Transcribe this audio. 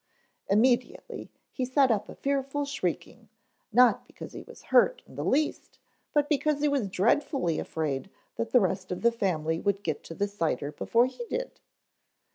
Immediately he set up a fearful shrieking, not because he was hurt in the least, but because he was dreadfully afraid that the rest of the family would get to the cider before he did.